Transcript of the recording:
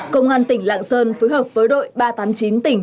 công an tỉnh lạng sơn phối hợp với đội ba trăm tám mươi chín tỉnh